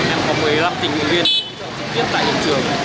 em có một mươi năm tình nguyên tình tiết tại hiện trường